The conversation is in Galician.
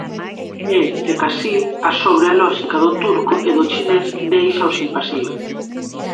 E, secasí, a sobria lóxica do turco e do chinés déixaos impasibles.